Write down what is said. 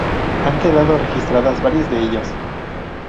Han quedado registradas varias de ellas.